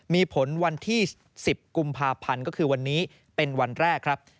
มีผลวันที่๑๐กุมภาพันธ์ก็คือวันนี้เป็นวันแรกครับ